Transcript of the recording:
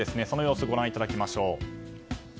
その様子をご覧いただきましょう。